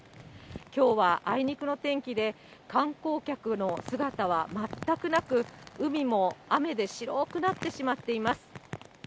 きょうはあいにくの天気で、観光客の姿は全くなく、海も雨で白くなってしまっています。